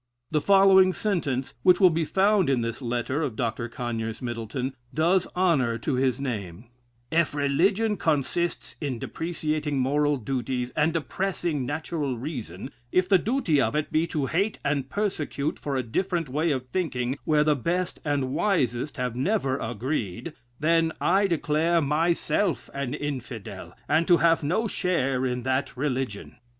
The following sentence, which will be found in this "Letter" of Dr. Conyers Middleton, does honor to his name: "If religion consists in depreciating moral duties and depressing natural reason; if the duty of it be to hate and persecute for a different way of thinking where the best and wisest have never agreed then. I declare myself an Infidel, and to have no share in that religion."